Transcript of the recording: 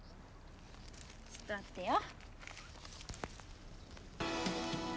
ちょっと待ってよ。